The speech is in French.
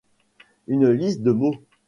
une liste de mots